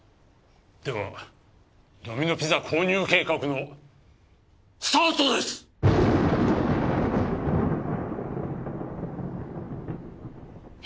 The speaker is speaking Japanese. ではドミノピザ購入計画のスタートです！え？